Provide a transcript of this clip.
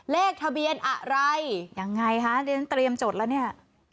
เลขทะเบียนอะไรยังไงคะเรียนเตรียมจดแล้วเนี่ย